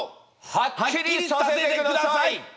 はっきりさせてください！